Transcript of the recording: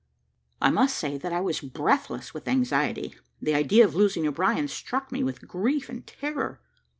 I must say that I was breathless with anxiety; the idea of losing O'Brien struck me with grief and terror.